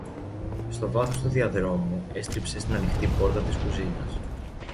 Στο βάθος του διαδρόμου έστριψε στην ανοιχτή πόρτα της κουζίνας